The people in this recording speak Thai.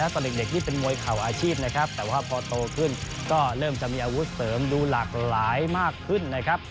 ตอนเด็กเป็นมวยข่าวอาชีพนะครับแต่พอโตขึ้นก็เลยมีอาวุธเสริมรูหลากหลายมากขึ้น